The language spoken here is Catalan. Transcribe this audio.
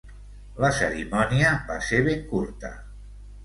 La cerimònia va ser ben curta.